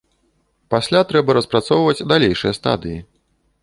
Пасля трэба распрацоўваць далейшыя стадыі.